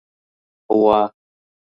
غوا 🐮